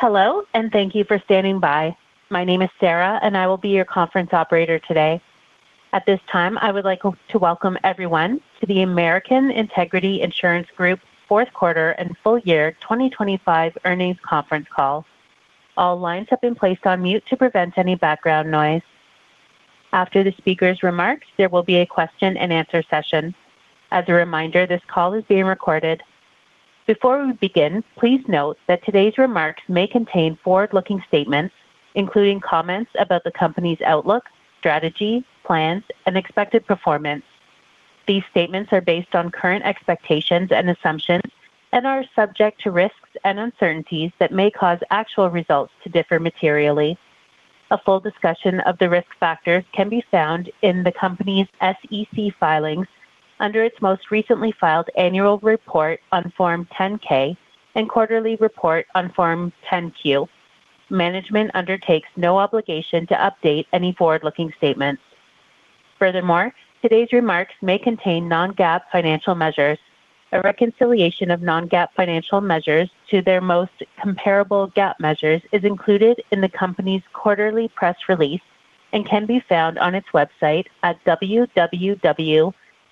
Hello, thank you for standing by. My name is Sarah, I will be your conference operator today. At this time, I would like to welcome everyone to the American Integrity Insurance Group Q4 and full year 2025 earnings conference call. All lines have been placed on mute to prevent any background noise. After the speaker's remarks, there will be a question-and-answer session. As a reminder, this call is being recorded. Before we begin, please note that today's remarks may contain forward-looking statements, including comments about the company's outlook, strategy, plans, and expected performance. These statements are based on current expectations and assumptions and are subject to risks and uncertainties that may cause actual results to differ materially. A full discussion of the risk factors can be found in the company's SEC filings under its most recently filed annual report on Form 10-K and quarterly report on Form 10-Q. Management undertakes no obligation to update any forward-looking statements. Furthermore, today's remarks may contain non-GAAP financial measures. A reconciliation of non-GAAP financial measures to their most comparable GAAP measures is included in the company's quarterly press release and can be found on its website at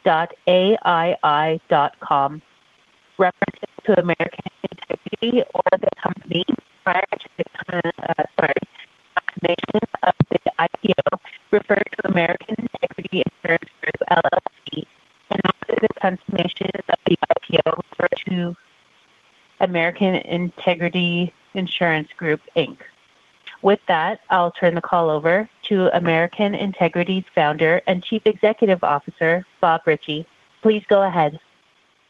www.aii.com. References to American Integrity or the Company prior to the completion of the IPO refer to American Integrity Insurance Group, LLC, and after the completion of the IPO, refer to American Integrity Insurance Group, Inc. With that, I'll turn the call over to American Integrity's Founder and Chief Executive Officer, Bob Ritchie. Please go ahead.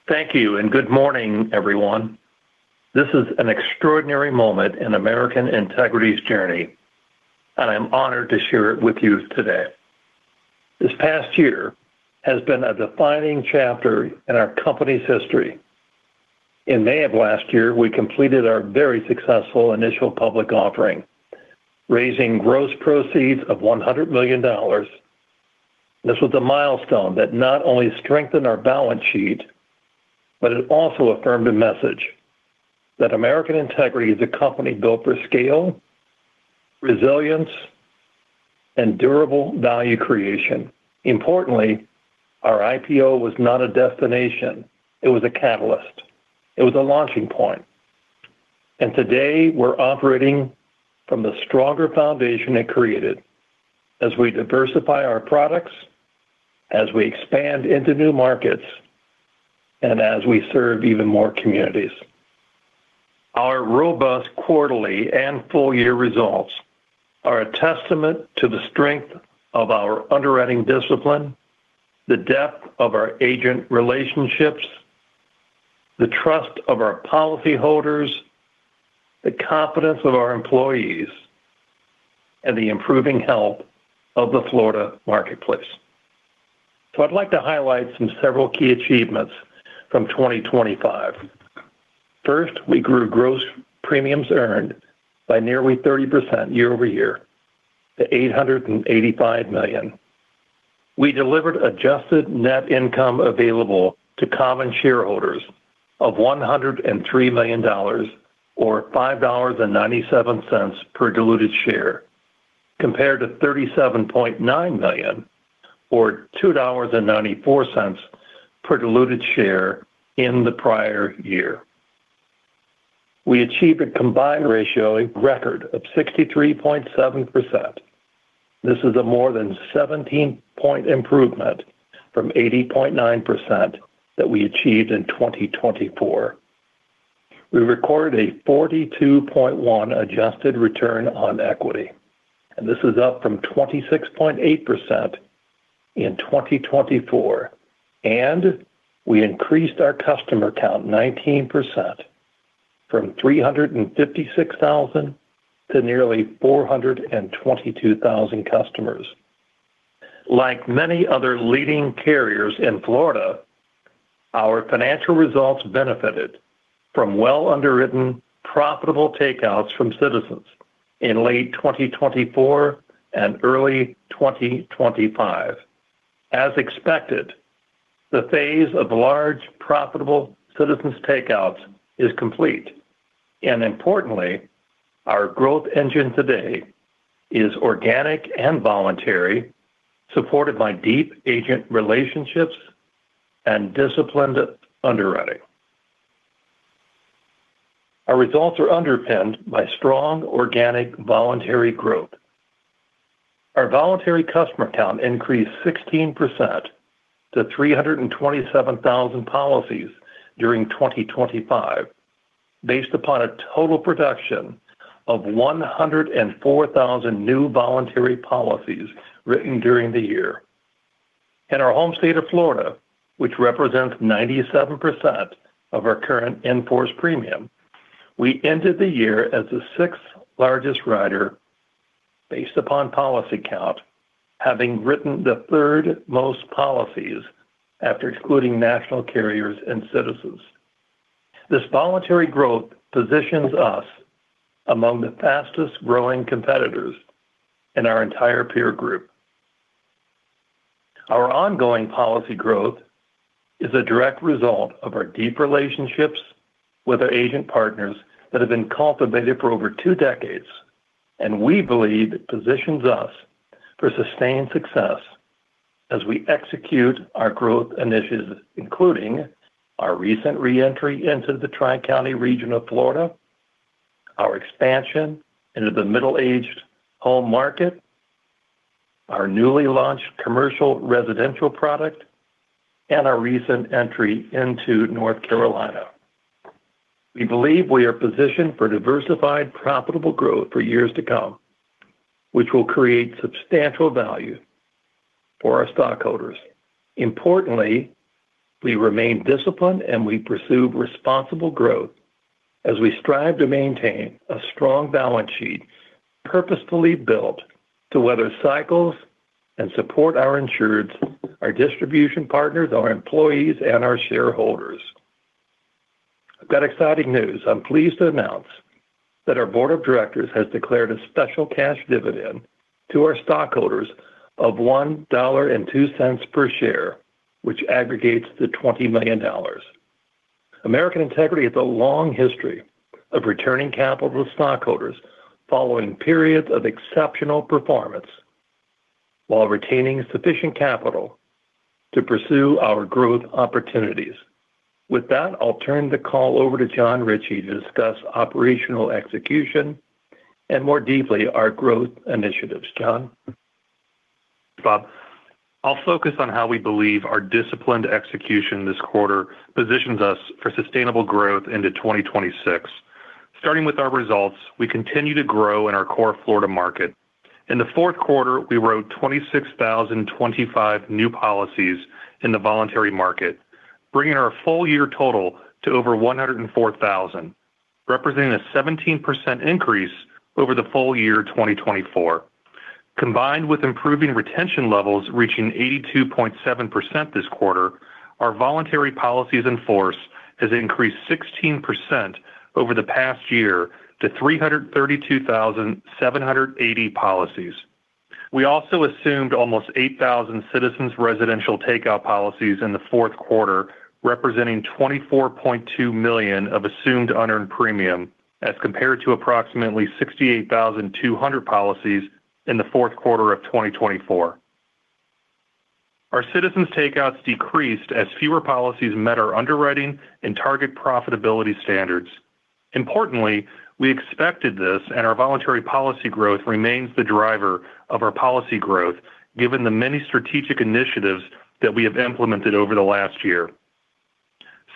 Thank you. Good morning, everyone. This is an extraordinary moment in American Integrity's journey. I'm honored to share it with you today. This past year has been a defining chapter in our company's history. In May of last year, we completed our very successful initial public offering, raising gross proceeds of $100 million. This was a milestone that not only strengthened our balance sheet. It also affirmed a message that American Integrity is a company built for scale, resilience, and durable value creation. Importantly, our IPO was not a destination, it was a catalyst. It was a launching point. Today we're operating from the stronger foundation it created as we diversify our products, as we expand into new markets, and as we serve even more communities. Our robust quarterly and full-year results are a testament to the strength of our underwriting discipline, the depth of our agent relationships, the trust of our policyholders, the confidence of our employees, and the improving health of the Florida marketplace. I'd like to highlight several key achievements from 2025. First, we grew gross premiums earned by nearly 30% year-over-year to $885 million. We delivered adjusted net income available to common shareholders of $103 million or $5.97 per diluted share, compared to $37.9 million or $2.94 per diluted share in the prior year. We achieved a combined ratio, a record of 63.7%. This is a more than 17-point improvement from 80.9% that we achieved in 2024. We recorded a 42.1 adjusted return on equity. This is up from 26.8% in 2024. We increased our customer count 19% from 356,000 to nearly 422,000 customers. Like many other leading carriers in Florida, our financial results benefited from well-underwritten, profitable takeouts from Citizens in late 2024 and early 2025. As expected, the phase of large, profitable Citizens takeouts is complete. Importantly, our growth engine today is organic and voluntary, supported by deep agent relationships and disciplined underwriting. Our results are underpinned by strong organic voluntary growth. Our voluntary customer count increased 16% to 327,000 policies during 2025, based upon a total production of 104,000 new voluntary policies written during the year. In our home state of Florida, which represents 97% of our current in-force premium, we ended the year as the sixth-largest writer based upon policy count, having written the third most policies after excluding national carriers and Citizens. This voluntary growth positions us among the fastest-growing competitors in our entire peer group. Our ongoing policy growth is a direct result of our deep relationships with our agent partners that have been cultivated for over two decades. We believe it positions us for sustained success as we execute our growth initiatives, including our recent re-entry into the Tri-County region of Florida, our expansion into the middle-aged home market, our newly launched commercial residential product, and our recent entry into North Carolina. We believe we are positioned for diversified, profitable growth for years to come, which will create substantial value for our stockholders. Importantly, we remain disciplined, and we pursue responsible growth as we strive to maintain a strong balance sheet, purposefully built to weather cycles and support our insureds, our distribution partners, our employees, and our shareholders. I've got exciting news. I'm pleased to announce that our board of directors has declared a special cash dividend to our stockholders of $1.02 per share, which aggregates to $20 million. American Integrity has a long history of returning capital to stockholders following periods of exceptional performance, while retaining sufficient capital to pursue our growth opportunities. With that, I'll turn the call over to Jon Ritchie to discuss operational execution and more deeply, our growth initiatives. Jon? Bob. I'll focus on how we believe our disciplined execution this quarter positions us for sustainable growth into 2026. Starting with our results, we continue to grow in our core Florida market. In the Q4, we wrote 26,025 new policies in the voluntary market, bringing our full year total to over 104,000, representing a 17% increase over the full year, 2024. Combined with improving retention levels, reaching 82.7% this quarter, our voluntary policies in force has increased 16% over the past year to 332,780 policies. We also assumed almost 8,000 Citizens' residential takeout policies in the Q4, representing $24.2 million of assumed unearned premium, as compared to approximately 68,200 policies in the Q4 of 2024. Our Citizens' takeouts decreased as fewer policies met our underwriting and target profitability standards. Importantly, we expected this, and our voluntary policy growth remains the driver of our policy growth, given the many strategic initiatives that we have implemented over the last year.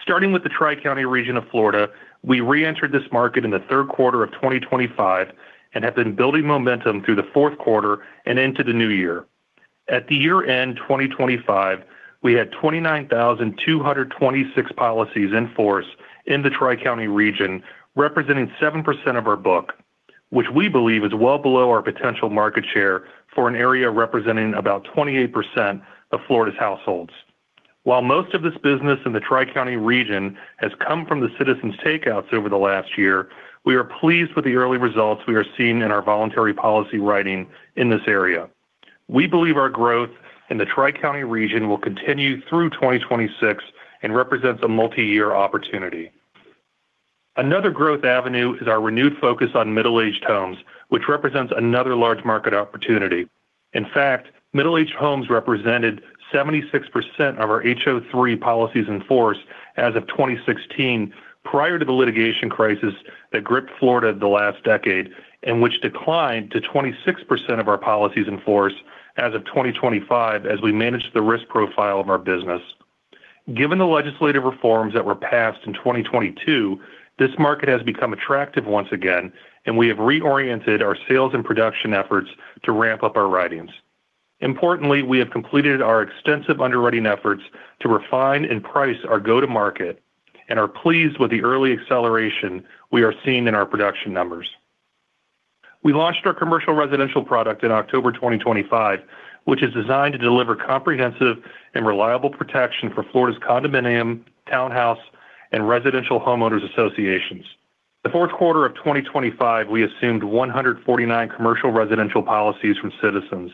Starting with the Tri-County region of Florida, we reentered this market in the Q3 of 2025 and have been building momentum through the Q4 and into the new year. At year-end 2025, we had 29,226 policies in force in the Tri-County region, representing 7% of our book, which we believe is well below our potential market share for an area representing about 28% of Florida's households. While most of this business in the Tri-County region has come from the Citizens' takeouts over the last year, we are pleased with the early results we are seeing in our voluntary policy writing in this area. We believe our growth in the Tri-County region will continue through 2026 and represents a multi-year opportunity. Another growth avenue is our renewed focus on middle-aged homes, which represents another large market opportunity. In fact, middle-aged homes represented 76% of our HO-3 policies in force as of 2016, prior to the litigation crisis that gripped Florida the last decade, and which declined to 26% of our policies in force as of 2025, as we managed the risk profile of our business. Given the legislative reforms that were passed in 2022, this market has become attractive once again, and we have reoriented our sales and production efforts to ramp up our writings. Importantly, we have completed our extensive underwriting efforts to refine and price our go-to-market and are pleased with the early acceleration we are seeing in our production numbers. We launched our commercial residential product in October 2025, which is designed to deliver comprehensive and reliable protection for Florida's condominium, townhouse, and residential homeowners associations. The Q4 of 2025, we assumed 149 commercial residential policies from Citizens,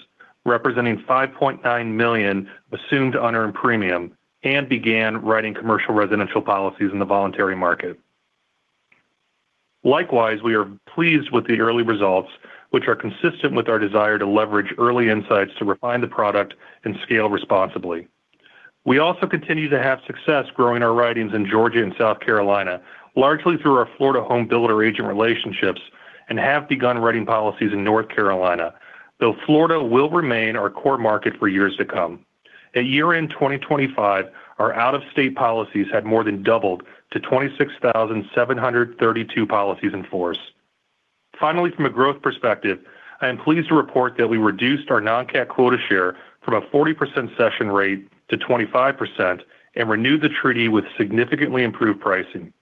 representing $5.9 million assumed unearned premium, and began writing commercial residential policies in the voluntary market. Likewise, we are pleased with the early results, which are consistent with our desire to leverage early insights to refine the product and scale responsibly. We also continue to have success growing our writings in Georgia and South Carolina, largely through our Florida home builder agent relationships, and have begun writing policies in North Carolina, though Florida will remain our core market for years to come. At year-end 2025, our out-of-state policies had more than doubled to 26,732 policies in force. Finally, from a growth perspective, I am pleased to report that we reduced our non-cat quota share from a 40% cession rate to 25% and renewed the treaty with significantly improved pricing.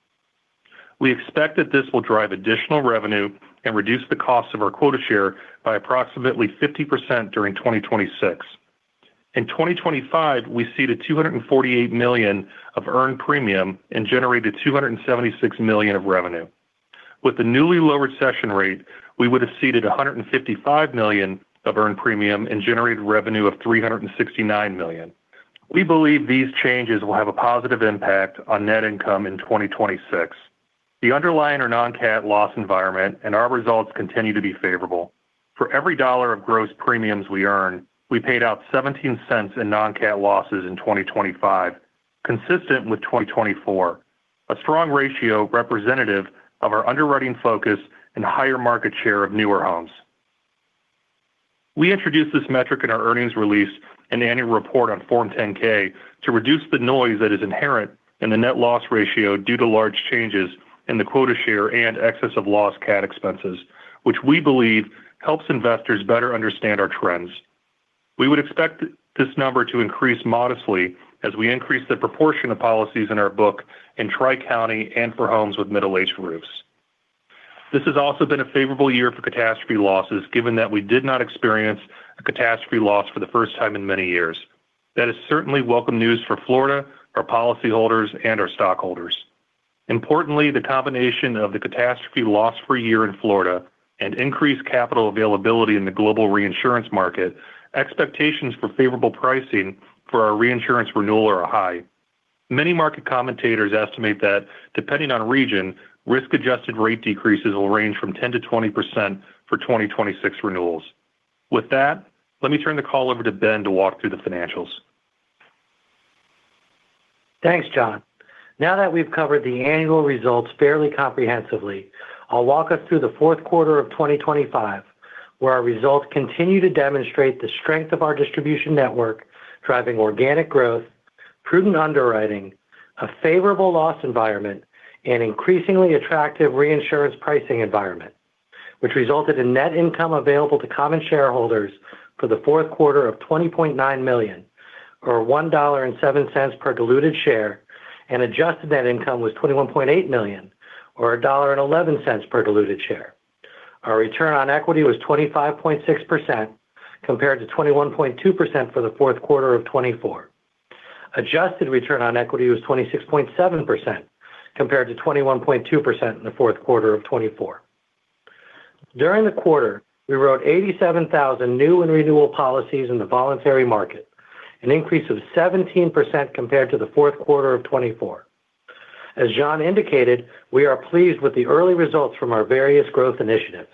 We expect that this will drive additional revenue and reduce the cost of our quota share by approximately 50% during 2026. In 2025, we ceded $248 million of earned premium and generated $276 million of revenue. With the newly lowered cession rate, we would have ceded $155 million of earned premium and generated revenue of $369 million. We believe these changes will have a positive impact on net income in 2026. The underlying or non-cat loss environment and our results continue to be favorable. For every dollar of gross premiums we earn, we paid out $0.17 in non-cat losses in 2025, consistent with 2024. A strong ratio representative of our underwriting focus and higher market share of newer homes. We introduced this metric in our earnings release and annual report on Form 10-K to reduce the noise that is inherent in the net loss ratio due to large changes in the quota share and excess of loss cat expenses, which we believe helps investors better understand our trends. We would expect this number to increase modestly as we increase the proportion of policies in our book in Tri-County and for homes with middle-age roofs. This has also been a favorable year for catastrophe losses, given that we did not experience a catastrophe loss for the first time in many years. That is certainly welcome news for Florida, our policyholders, and our stockholders. Importantly, the combination of the catastrophe loss for a year in Florida and increased capital availability in the global reinsurance market, expectations for favorable pricing for our reinsurance renewal are high. Many market commentators estimate that, depending on region, risk-adjusted rate decreases will range from 10%-20% for 2026 renewals. With that, let me turn the call over to Ben to walk through the financials. Thanks, Jon. Now that we've covered the annual results fairly comprehensively, I'll walk us through the Q4 of 2025, where our results continue to demonstrate the strength of our distribution network, driving organic growth, prudent underwriting, a favorable loss environment, and increasingly attractive reinsurance pricing environment, which resulted in net income available to common shareholders for the Q4 of $20.9 million, or $1.07 per diluted share. Adjusted net income was $21.8 million, or $1.11 per diluted share. Our return on equity was 25.6%, compared to 21.2% for the Q4 of 2024. Adjusted return on equity was 26.7%, compared to 21.2% in the Q4 of 2024. During the quarter, we wrote 87,000 new and renewal policies in the voluntary market, an increase of 17% compared to the Q4 of 2024. As Jon indicated, we are pleased with the early results from our various growth initiatives.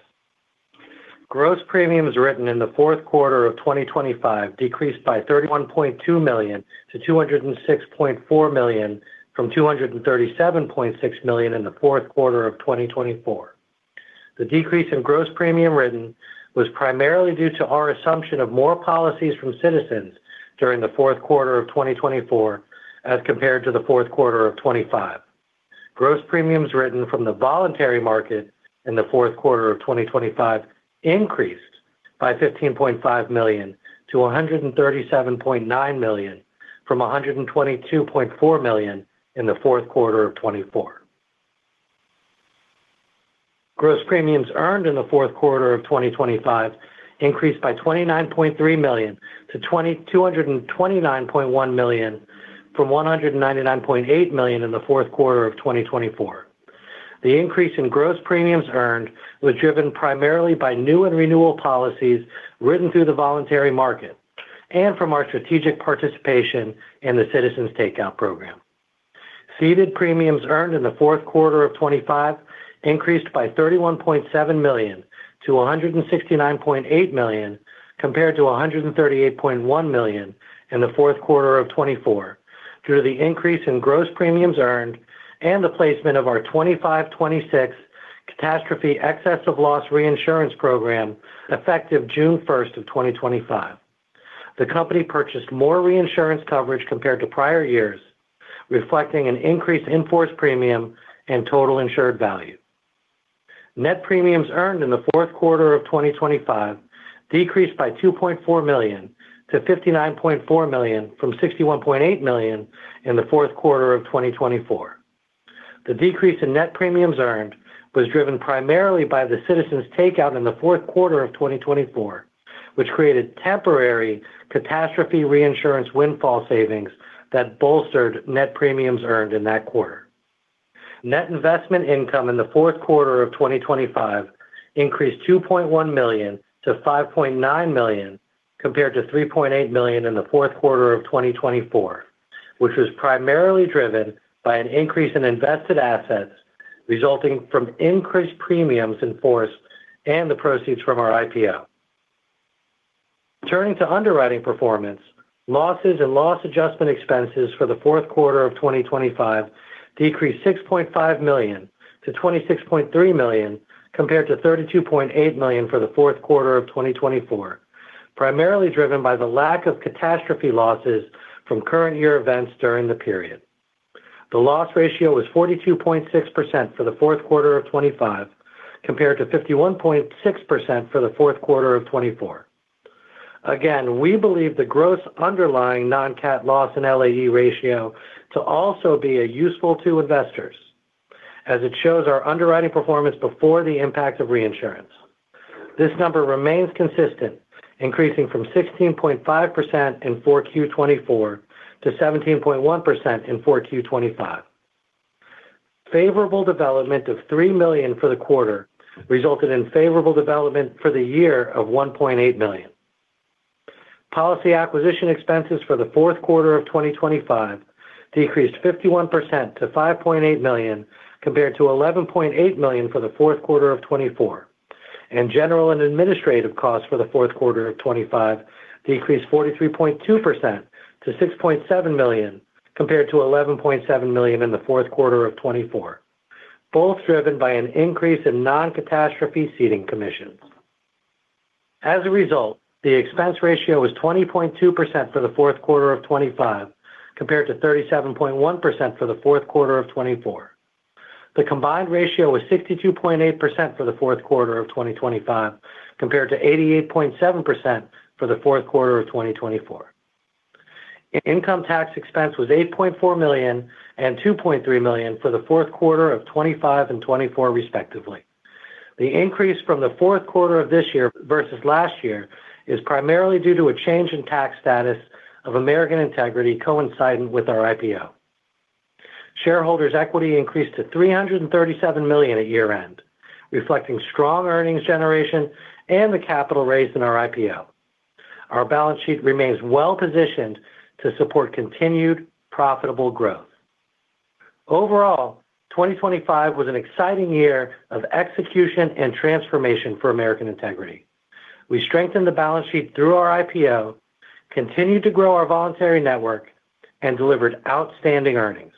Gross premiums written in the Q4 of 2025 decreased by $31.2 million-$206.4 million, from $237.6 million in the Q4 of 2024. The decrease in gross premium written was primarily due to our assumption of more policies from Citizens during the Q4 of 2024 as compared to the Q4 of 2025. Gross premiums written from the voluntary market in the Q4 of 2025 increased by $15.5 million-$137.9 million, from $122.4 million in the Q4 of 2024. Gross premiums earned in the Q4 of 2025 increased by $29.3 million-$229.1 million, from $199.8 million in the Q4 of 2024. The increase in gross premiums earned was driven primarily by new and renewal policies written through the voluntary market and from our strategic participation in the Citizens Takeout program. Ceded premiums earned in the Q4 of 2025 increased by $31.7 million-$169.8 million, compared to $138.1 million in the Q4 of 2024, due to the increase in gross premiums earned and the placement of our 2025-2026 catastrophe excess of loss reinsurance program, effective June 1st of 2025. The company purchased more reinsurance coverage compared to prior years, reflecting an increase in force premium and total insured value. Net premiums earned in the Q4 of 2025 decreased by $2.4 million-$59.4 million, from $61.8 million in the Q4 of 2024. The decrease in net premiums earned was driven primarily by the Citizens' takeout in the Q4 of 2024, which created temporary catastrophe reinsurance windfall savings that bolstered net premiums earned in that quarter. Net investment income in the Q4 of 2025 increased $2.1 million-$5.9 million, compared to $3.8 million in the Q4 of 2024, which was primarily driven by an increase in invested assets resulting from increased premiums in force and the proceeds from our IPO. Turning to underwriting performance, losses and loss adjustment expenses for the Q4 of 2025 decreased $6.5 million-$26.3 million, compared to $32.8 million for the Q4 of 2024, primarily driven by the lack of catastrophe losses from current year events during the period. The loss ratio was 42.6% for the Q4 of 2025, compared to 51.6% for the Q4 of 2024. We believe the gross underlying non-cat loss and LAE ratio to also be a useful to investors, as it shows our underwriting performance before the impact of reinsurance. This number remains consistent increasing from 16.5% in 4Q 2024 to 17.1% in 4Q 2025. Favorable development of $3 million for the quarter resulted in favorable development for the year of $1.8 million. Policy acquisition expenses for the Q4 of 2025 decreased 51% to $5.8 million, compared to $11.8 million for the Q4 of 2024. General and administrative costs for the Q4 of 2025 decreased 43.2% to $6.7 million, compared to $11.7 million in the Q4 of 2024, both driven by an increase in non-catastrophe ceding commissions. As a result, the expense ratio was 20.2% for the Q4 of 2025, compared to 37.1% for the Q4 of 2024. The combined ratio was 62.8% for the Q4 of 2025, compared to 88.7% for the Q4 of 2024. Income tax expense was $8.4 million and $2.3 million for the Q4 of 2025 and 2024, respectively. The increase from the Q4 of this year versus last year is primarily due to a change in tax status of American Integrity, coincident with our IPO. Shareholders' equity increased to $337 million at year-end, reflecting strong earnings generation and the capital raised in our IPO. Our balance sheet remains well positioned to support continued profitable growth. Overall, 2025 was an exciting year of execution and transformation for American Integrity. We strengthened the balance sheet through our IPO, continued to grow our voluntary network, and delivered outstanding earnings.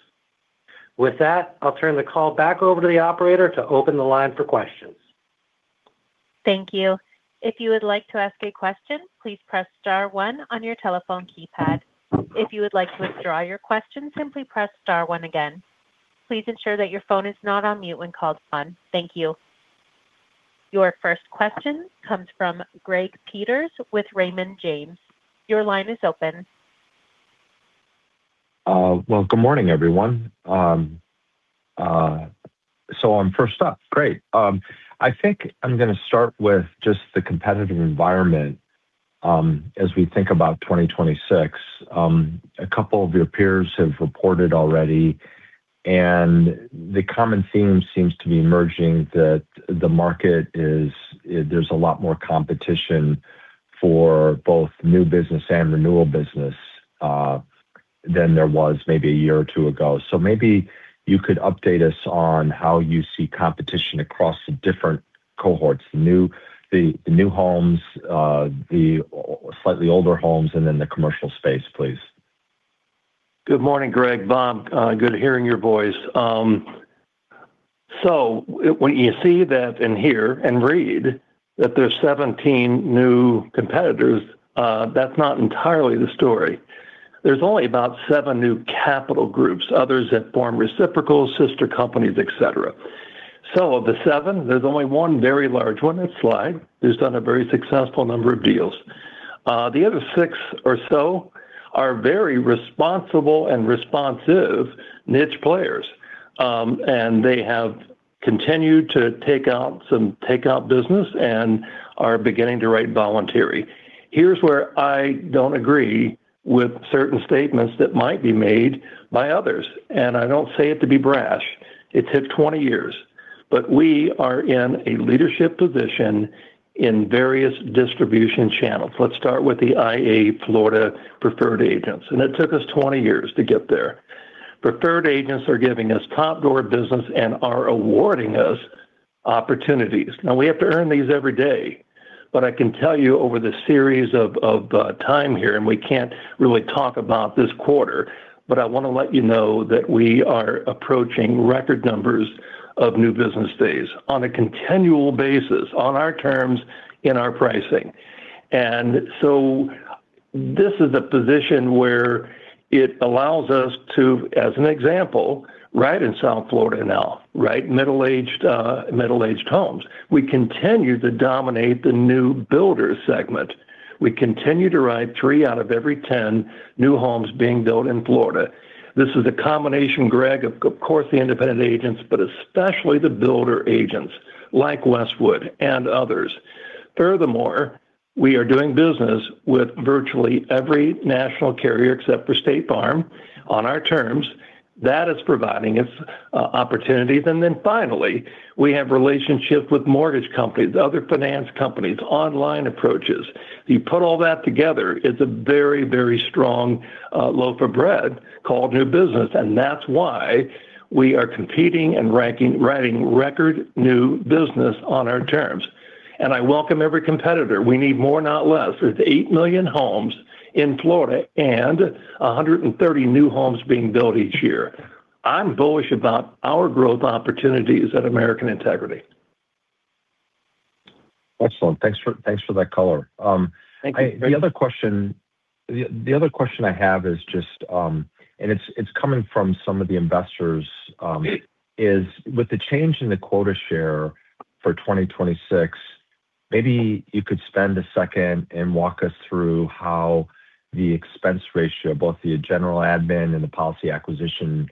With that, I'll turn the call back over to the operator to open the line for questions. Thank you. If you would like to ask a question, please press star 1 on your telephone keypad. If you would like to withdraw your question, simply press star one again. Please ensure that your phone is not on mute when called upon. Thank you. Your first question comes from Greg Peters with Raymond James. Your line is open. Well, good morning, everyone. On first up, great. I think I'm gonna start with just the competitive environment as we think about 2026. A couple of your peers have reported already, and the common theme seems to be emerging, that there's a lot more competition for both new business and renewal business than there was maybe a year or two ago. Maybe you could update us on how you see competition across the different cohorts, the new homes, the slightly older homes, and then the commercial space, please. Good morning, Greg. Bob, good hearing your voice. When you see that in here and read that there's 17 new competitors, that's not entirely the story. There's only about seven new capital groups, others have formed reciprocals, sister companies, et cetera. Of the seven, there's only one very large one, it's Slide, who's done a very successful number of deals. The other six or so are very responsible and responsive niche players, and they have continued to take out some take-out business and are beginning to write voluntary. Here's where I don't agree with certain statements that might be made by others, and I don't say it to be brash. It took 20 years, but we are in a leadership position in various distribution channels. Let's start with the IA Florida preferred agents, and it took us 20 years to get there. Preferred agents are giving us top door business and are awarding us opportunities. We have to earn these every day, but I can tell you over the series of time here, we can't really talk about this quarter, but I want to let you know that we are approaching record numbers of new business days on a continual basis, on our terms, in our pricing. This is a position where it allows us to, as an example, ride in South Florida now, right? Middle-aged, middle-aged homes. We continue to dominate the new builder segment. We continue to ride three out of every 10 new homes being built in Florida. This is a combination, Greg, of course, the independent agents, but especially the builder agents like Westwood and others. Furthermore, we are doing business with virtually every national carrier, except for State Farm, on our terms. That is providing us opportunities. Finally, we have relationships with mortgage companies, other finance companies, online approaches. You put all that together, it's a very, very strong loaf of bread called new business, that's why we are competing and writing record new business on our terms. I welcome every competitor. We need more, not less. There's 8,000,000 homes in Florida and 130 new homes being built each year. I'm bullish about our growth opportunities at American Integrity. Excellent. Thanks for that color Thank you. The other question I have is just, it's coming from some of the investors, is with the change in the quota share for 2026, maybe you could spend a second and walk us through how the expense ratio, both the general admin and the policy acquisition,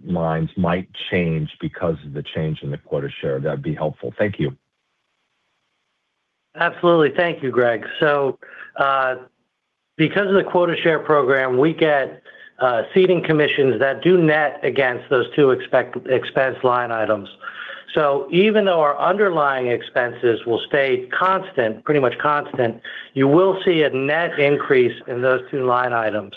lines might change because of the change in the quota share. That'd be helpful. Thank you. Absolutely. Thank you, Greg. Because of the quota share program, we get ceding commissions that do net against those two expense line items. Even though our underlying expenses will stay constant, pretty much constant, you will see a net increase in those two line items.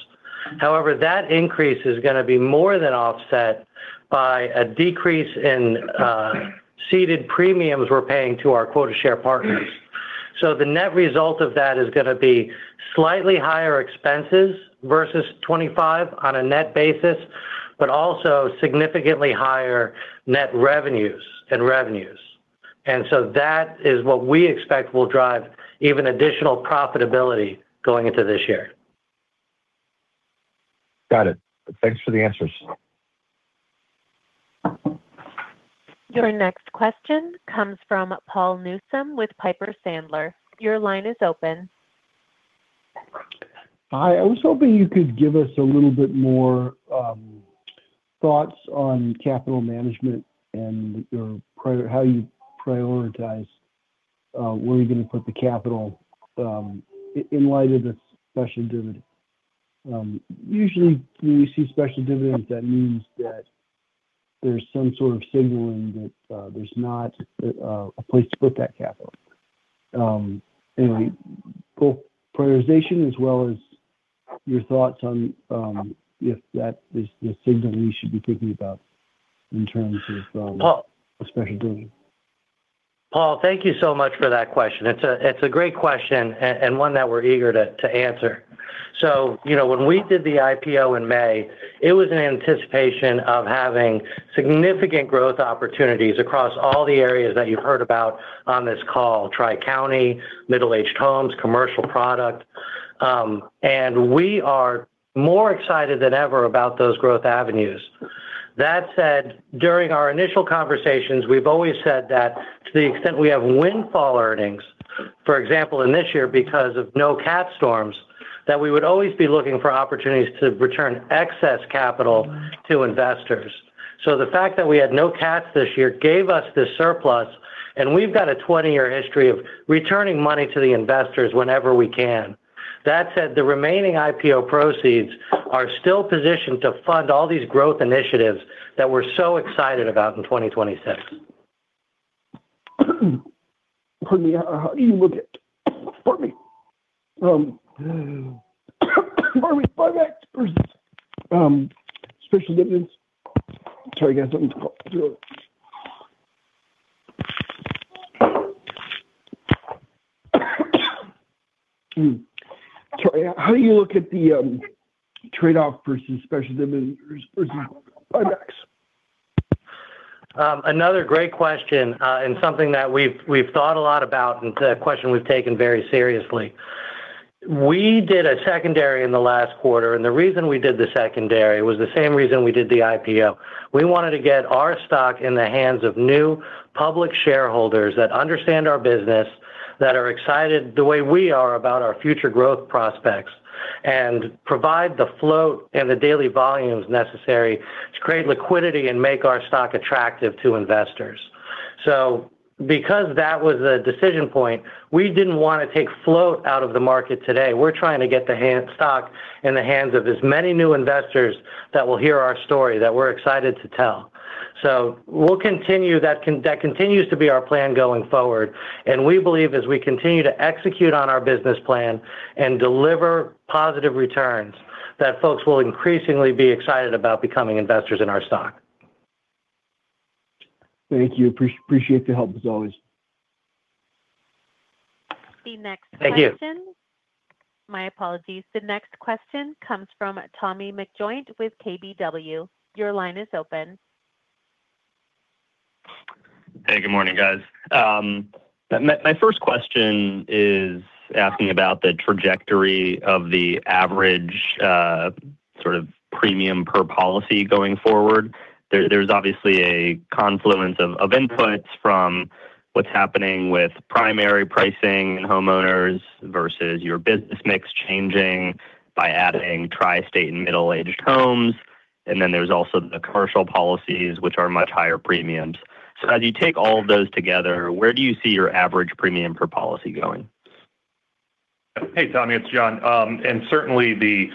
However, that increase is going to be more than offset by a decrease in seeded premiums we're paying to our quota share partners. The net result of that is going to be slightly higher expenses versus 25 on a net basis, also significantly higher net revenues and revenues. That is what we expect will drive even additional profitability going into this year. Got it. Thanks for the answers. Your next question comes from Paul Newsome with Piper Sandler. Your line is open. Hi. I was hoping you could give us a little bit more thoughts on capital management and your how you prioritize where you're going to put the capital in light of the special dividend? Usually, when you see special dividends, that means that there's some sort of signaling that there's not a place to put that capital. Anyway, both prioritization as well as your thoughts on if that is the signal we should be thinking about in terms of a special dividend? Paul, thank you so much for that question. It's a great question, and one that we're eager to answer. You know, when we did the IPO in May, it was in anticipation of having significant growth opportunities across all the areas that you've heard about on this call, Tri-County, middle-aged homes, commercial product, and we are more excited than ever about those growth avenues. That said, during our initial conversations, we've always said that to the extent we have windfall earnings, for example, in this year, because of no cat storms, that we would always be looking for opportunities to return excess capital to investors. The fact that we had no cats this year gave us this surplus, and we've got a 20-year history of returning money to the investors whenever we can. That said, the remaining IPO proceeds are still positioned to fund all these growth initiatives that we're so excited about in 2026. Pardon me. Special dividends. Sorry, guys, let me talk through it. How do you look at the trade-off versus special dividends versus buybacks? Another great question, and something that we've thought a lot about, and it's a question we've taken very seriously. We did a secondary in the last quarter, and the reason we did the secondary was the same reason we did the IPO. We wanted to get our stock in the hands of new public shareholders that understand our business, that are excited the way we are about our future growth prospects, and provide the float and the daily volumes necessary to create liquidity and make our stock attractive to investors. Because that was a decision point, we didn't want to take float out of the market today. We're trying to get the stock in the hands of as many new investors that will hear our story, that we're excited to tell. We'll continue...That continues to be our plan going forward. We believe as we continue to execute on our business plan and deliver positive returns, that folks will increasingly be excited about becoming investors in our stock. Thank you. appreciate the help, as always. The next question. Thank you. My apologies. The next question comes from Tommy McJoynt with KBW. Your line is open. Hey, good morning, guys. My first question is asking about the trajectory of the average sort of premium per policy going forward. There's obviously a confluence of inputs from what's happening with primary pricing and homeowners versus your business mix changing by adding Tri-State and middle-aged homes. Then there's also the commercial policies, which are much higher premiums. As you take all of those together, where do you see your average premium per policy going? Hey, Tommy, it's Jon. Certainly the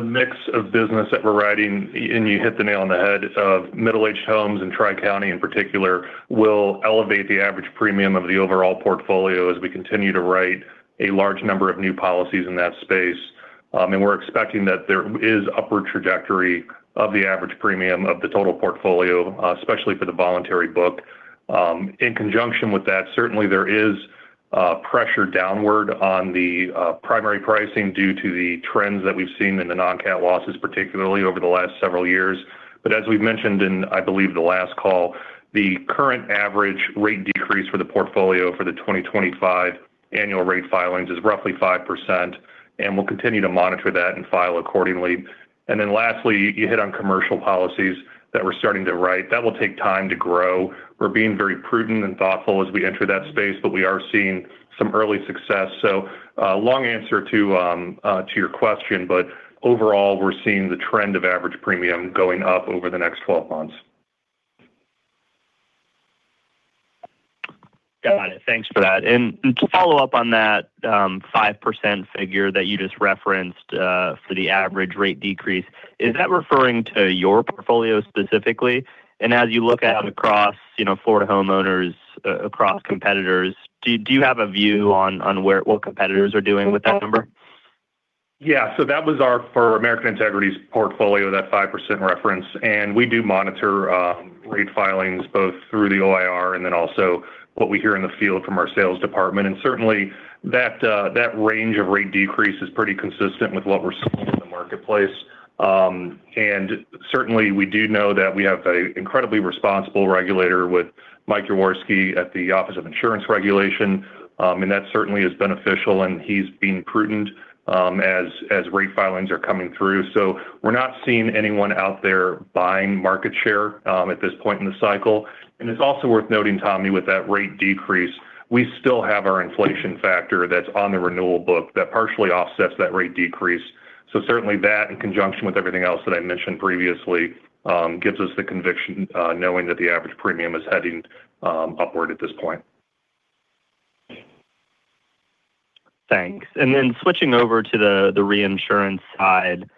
mix of business that we're writing, and you hit the nail on the head, of middle-aged homes and Tri-County in particular, will elevate the average premium of the overall portfolio as we continue to write a large number of new policies in that space. We're expecting that there is upward trajectory of the average premium of the total portfolio, especially for the voluntary book. In conjunction with that, certainly there is pressure downward on the primary pricing due to the trends that we've seen in the non-cat losses, particularly over the last several years. As we've mentioned in, I believe, the last call, the current average rate decrease for the portfolio for the 2025 annual rate filings is roughly 5%, we'll continue to monitor that and file accordingly. Lastly, you hit on commercial policies that we're starting to write. That will take time to grow. We're being very prudent and thoughtful as we enter that space, but we are seeing some early success. Long answer to your question, but overall, we're seeing the trend of average premium going up over the next 12 months. Got it. Thanks for that. To follow up on that, 5% figure that you just referenced, for the average rate decrease, is that referring to your portfolio specifically? As you look out across, you know, Florida homeowners, across competitors, do you have a view on what competitors are doing with that number? Yeah. That was our, for American Integrity's portfolio, that 5% reference. We do monitor rate filings both through the OIR and then also what we hear in the field from our sales department. Certainly, that range of rate decrease is pretty consistent with what we're seeing in the marketplace. Certainly, we do know that we have an incredibly responsible regulator with Mike Yaworsky at the Office of Insurance Regulation, and that certainly is beneficial, and he's being prudent as rate filings are coming through. We're not seeing anyone out there buying market share at this point in the cycle. It's also worth noting, Tommy, with that rate decrease, we still have our inflation factor that's on the renewal book that partially offsets that rate decrease. Certainly that, in conjunction with everything else that I mentioned previously, gives us the conviction, knowing that the average premium is heading upward at this point. Thanks. Switching over to the reinsurance side,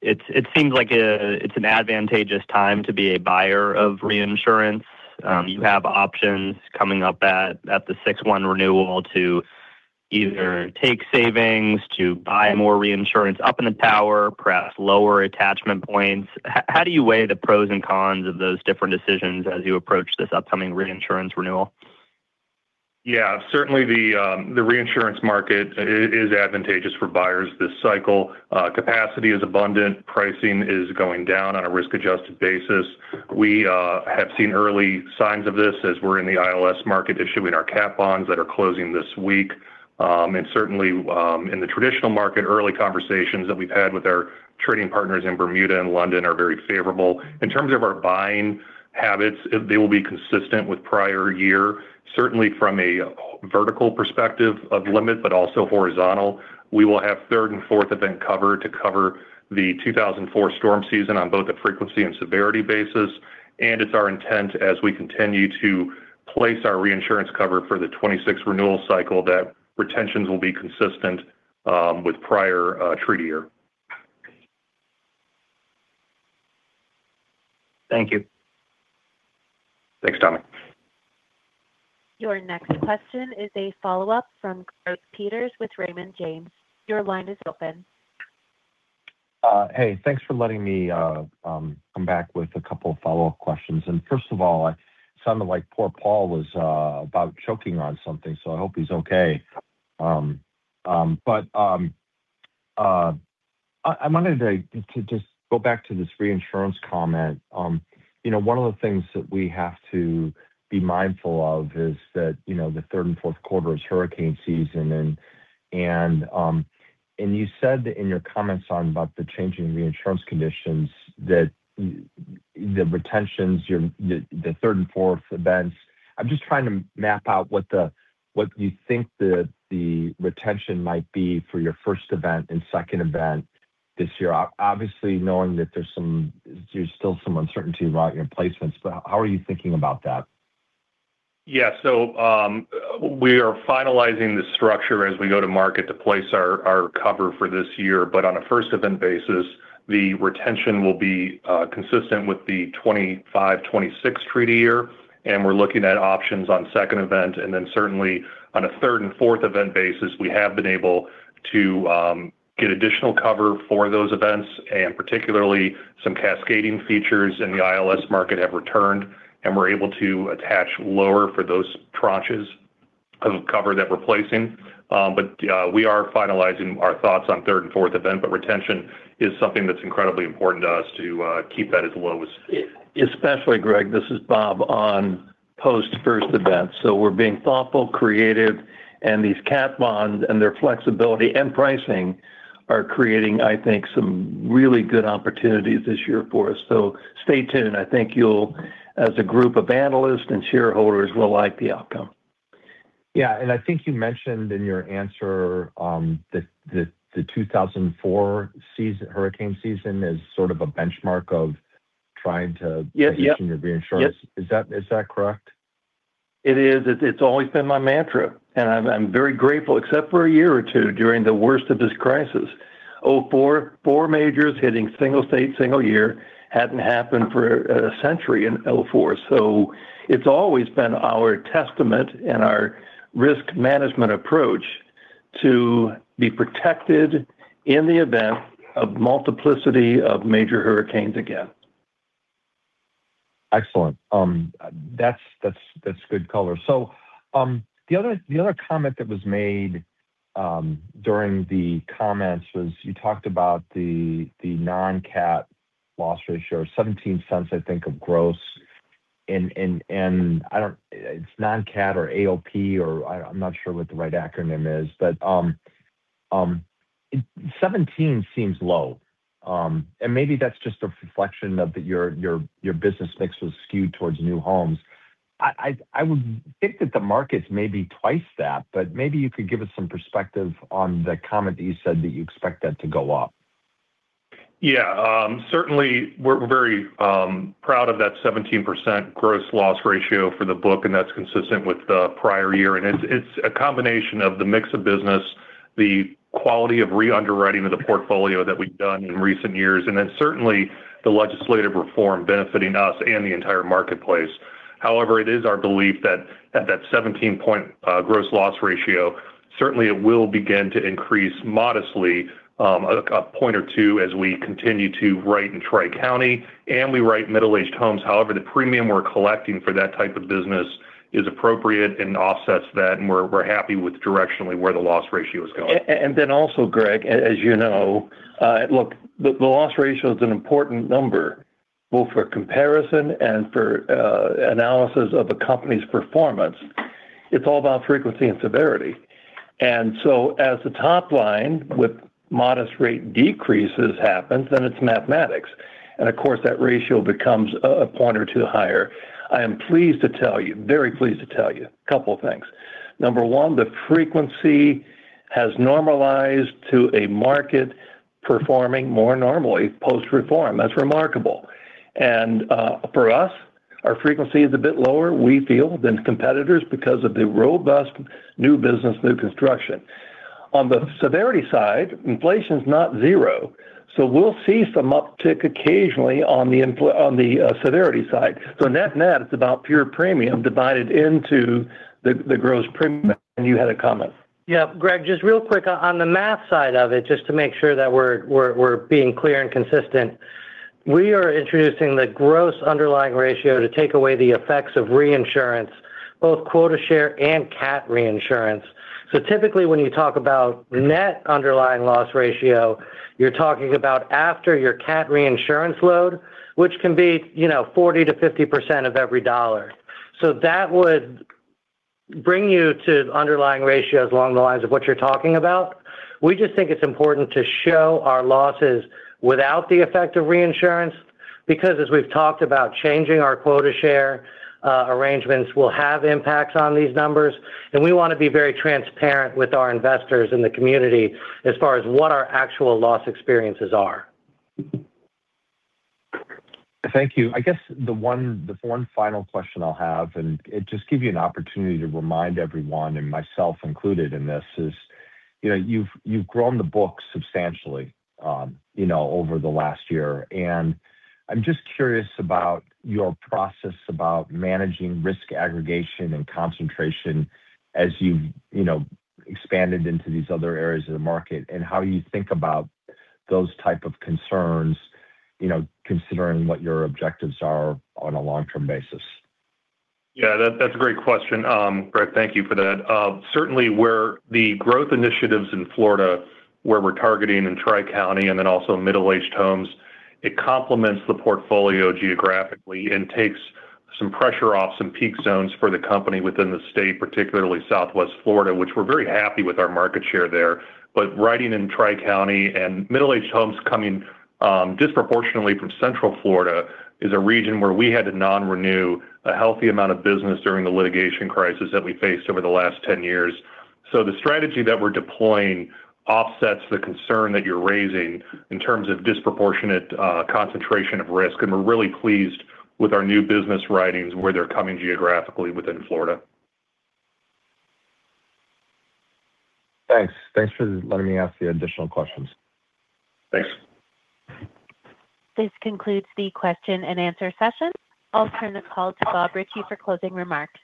it seems like it's an advantageous time to be a buyer of reinsurance. You have options coming up at the six-one renewal to either take savings to buy more reinsurance up in the tower, perhaps lower attachment points. How do you weigh the pros and cons of those different decisions as you approach this upcoming reinsurance renewal? Yeah. Certainly the reinsurance market is advantageous for buyers this cycle. Capacity is abundant, pricing is going down on a risk-adjusted basis. We have seen early signs of this as we're in the ILS market issuing our cat bonds that are closing this week. Certainly, in the traditional market, early conversations that we've had with our trading partners in Bermuda and London are very favorable. In terms of our buying habits, they will be consistent with prior year, certainly from a vertical perspective of limit, but also horizontal. We will have third and fourth event cover to cover the 2004 storm season on both a frequency and severity basis, and it's our intent as we continue to place our reinsurance cover for the 2026 renewal cycle, that retentions will be consistent with prior treaty year. Thank you. Thanks, Tommy. Your next question is a follow-up from Greg Peters with Raymond James. Your line is open. Hey, thanks for letting me come back with a couple of follow-up questions. First of all, it sounded like poor Paul was about choking on something, so I hope he's okay. I wanted to just go back to this reinsurance comment. You know, one of the things that we have to be mindful of is that, you know, the Q3 and Q4 is hurricane season, and you said in your comments on about the changing reinsurance conditions that the retentions, the third and fourth events. I'm just trying to map out what you think the retention might be for your first event and second event this year. Obviously, knowing that there's still some uncertainty about your placements, but how are you thinking about that? Yeah. We are finalizing the structure as we go to market to place our cover for this year. On a first event basis, the retention will be consistent with the 25, 26 treaty year, and we're looking at options on second event. Certainly on a third and fourth event basis, we have been able to get additional cover for those events, and particularly some cascading features in the ILS market have returned, and we're able to attach lower for those tranches of cover that we're placing. We are finalizing our thoughts on third and fourth event, but retention is something that's incredibly important to us to keep that as low as... Especially, Greg, this is Bob on post first event. We're being thoughtful, creative, and these cat bonds and their flexibility and pricing are creating, I think, some really good opportunities this year for us. Stay tuned, and I think you'll, as a group of analysts and shareholders, will like the outcome. Yeah, I think you mentioned in your answer, the 2004 hurricane season as sort of a benchmark of trying to... Yes, yep. Issue your reinsurance. Yep. Is that correct? It is. It, it's always been my mantra, and I'm very grateful, except for a year or two during the worst of this crisis. 2004, four majors hitting single state, single year, hadn't happened for a century in 2004. It's always been our testament and our risk management approach to be protected in the event of multiplicity of major hurricanes again. Excellent. That's good color. The other comment that was made during the comments was you talked about the non-cat loss ratio, $0.17, I think, of gross. It's non-cat or AOP or I'm not sure what the right acronym is, but 17 seems low. Maybe that's just a reflection of that your business mix was skewed towards new homes. I would think that the markets may be twice that, but maybe you could give us some perspective on the comment that you said that you expect that to go up. Yeah, certainly we're very proud of that 17% gross loss ratio for the book, and that's consistent with the prior year. It's a combination of the mix of business, the quality of reunderwriting of the portfolio that we've done in recent years, and then certainly the legislative reform benefiting us and the entire marketplace. It is our belief that at that 17-point gross loss ratio, certainly it will begin to increase modestly, a point or two as we continue to write in Tri-County, and we write middle-aged homes. The premium we're collecting for that type of business is appropriate and offsets that, and we're happy with directionally where the loss ratio is going. Then also, Greg, as you know, look, the loss ratio is an important number, both for comparison and for analysis of a company's performance. It's all about frequency and severity. As the top line with modest rate decreases happens, then it's mathematics. Of course, that ratio becomes 1 or 2 points higher. I am pleased to tell you, very pleased to tell you a couple of things. Number one, the frequency has normalized to a market performing more normally post-reform. That's remarkable. For us, our frequency is a bit lower, we feel, than competitors because of the robust new business, new construction. On the severity side, inflation is not zero, so we'll see some uptick occasionally on the severity side. Net-net, it's about pure premium divided into the gross premium. You had a comment? Yeah. Greg, just real quick, on the math side of it, just to make sure that we're being clear and consistent. We are introducing the gross underlying ratio to take away the effects of reinsurance, both quota share and cat reinsurance. Typically, when you talk about net underlying loss ratio, you're talking about after your cat reinsurance load, which can be, you know, 40%-50% of every dollar. That would bring you to underlying ratios along the lines of what you're talking about. We just think it's important to show our losses without the effect of reinsurance, because as we've talked about, changing our quota share arrangements will have impacts on these numbers, and we want to be very transparent with our investors in the community as far as what our actual loss experiences are. Thank you. I guess the one final question I'll have, it just give you an opportunity to remind everyone and myself included in this, is, you know, you've grown the book substantially, you know, over the last year. I'm just curious about your process about managing risk aggregation and concentration as you've, you know, expanded into these other areas of the market and how you think about those type of concerns, you know, considering what your objectives are on a long-term basis. Yeah, that's a great question. Greg, thank you for that. Certainly, where the growth initiatives in Florida, where we're targeting in Tri-County and then also middle-aged homes, it complements the portfolio geographically and takes some pressure off some peak zones for the company within the state, particularly Southwest Florida, which we're very happy with our market share there. Writing in Tri-County and middle-aged homes coming disproportionately from Central Florida is a region where we had to nonrenew a healthy amount of business during the litigation crisis that we faced over the last 10 years. The strategy that we're deploying offsets the concern that you're raising in terms of disproportionate concentration of risk, and we're really pleased with our new business writings, where they're coming geographically within Florida. Thanks. Thanks for letting me ask the additional questions. Thanks. This concludes the question and answer session. I'll turn the call to Bob Ritchie for closing remarks.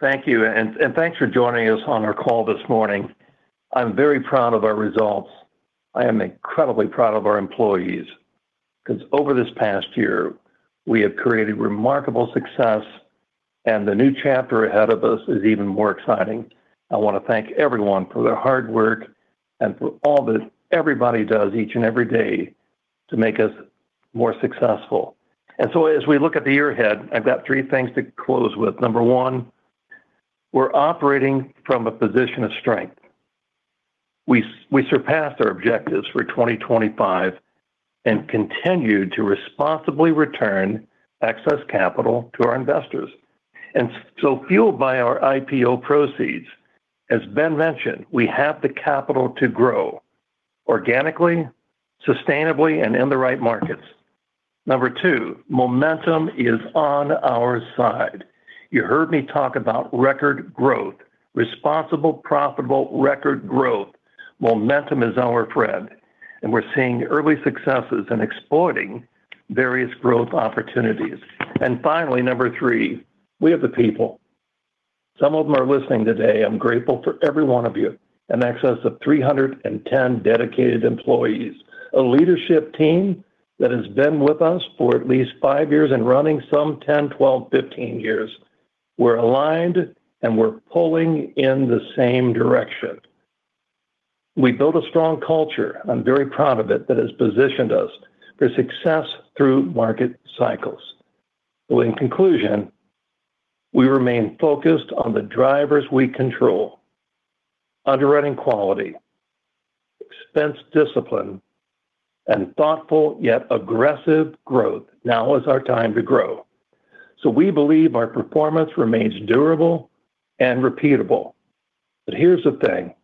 Thank you, and thanks for joining us on our call this morning. I'm very proud of our results. I am incredibly proud of our employees, 'cause over this past year, we have created remarkable success, and the new chapter ahead of us is even more exciting. I want to thank everyone for their hard work and for all that everybody does each and every day to make us more successful. As we look at the year ahead, I've got three things to close with. Number one, we surpassed our objectives for 2025 and continued to responsibly return excess capital to our investors. Fueled by our IPO proceeds, as Ben mentioned, we have the capital to grow organically, sustainably, and in the right markets. Number two, momentum is on our side. You heard me talk about record growth, responsible, profitable record growth. Momentum is our thread. We're seeing early successes in exploiting various growth opportunities. Finally, number three, we have the people. Some of them are listening today. I'm grateful for every one of you. In excess of 310 dedicated employees. A leadership team that has been with us for at least five years and running some 10, 12, 15 years. We're aligned, and we're pulling in the same direction. We built a strong culture, I'm very proud of it, that has positioned us for success through market cycles. In conclusion, we remain focused on the drivers we control: underwriting quality, expense discipline, and thoughtful yet aggressive growth. Now is our time to grow. We believe our performance remains durable and repeatable. Here's the thing: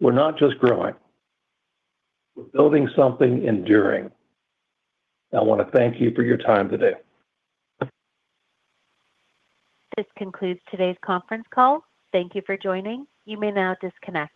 We're not just growing, we're building something enduring. I want to thank you for your time today. This concludes today's conference call. Thank you for joining. You may now disconnect.